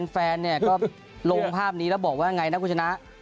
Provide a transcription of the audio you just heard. แฟนก็ลงภาพนี้แล้วบอกว่าอย่างไรนะกุจชนะ